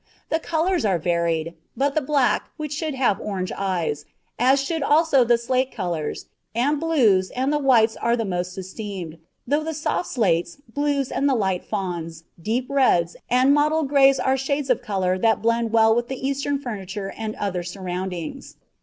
The colours are varied; but the black which should have orange eyes, as should also the slate colours, and blues, and the white are the most esteemed, though the soft slates, blues, and the light fawns, deep reds, and mottled grays are shades of colour that blend well with the Eastern furniture and other surroundings.